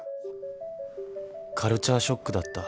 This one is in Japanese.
カルチャーショックだった。